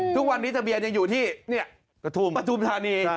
ทุกวันนี้ทะเบียนยังอยู่ที่ปฐุมธานี